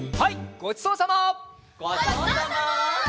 ごちそうさま！